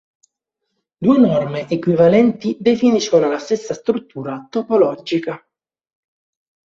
Due norme equivalenti definiscono la stessa struttura topologica.